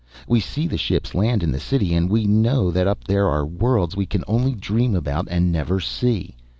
We see the ships land in the city and we know that up there are worlds we can only dream about and never see.